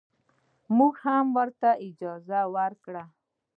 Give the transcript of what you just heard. موږ هم ورته اجازه ورکړه.